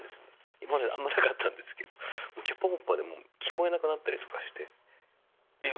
今まであんまりなかったんですけどもうキャパオーバーで聞こえなくなったりとかして。